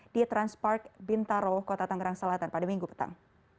di transpark bintaro kota tangerang selatan pada minggu petang